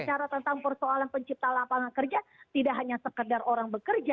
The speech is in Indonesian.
bicara tentang persoalan pencipta lapangan kerja tidak hanya sekedar orang bekerja